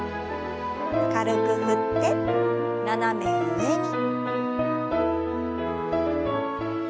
軽く振って斜め上に。